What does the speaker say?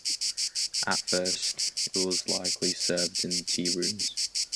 At first, it was likely served in tea rooms.